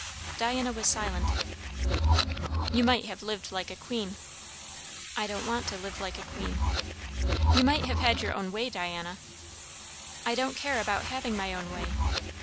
Diana was silent. "You might have lived like a queen." "I don't want to live like a queen." "You might have had your own way, Diana." "I don't care about having my own way."